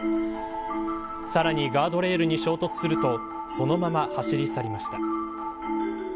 さらにガードレールに衝突するとそのまま走り去りました。